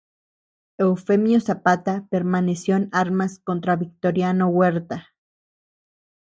Eufemio Zapata permaneció en armas contra Victoriano Huerta.